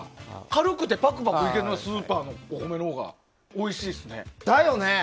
軽くて、ぱくぱくいけるのはスーパーのお米のほうがおいしいですね。